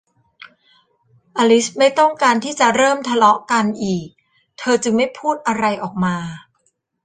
อลิซไม่ต้องการที่จะเริ่มทะเลาะกันอีก เธอจึงไม่พูดอะไรออกมา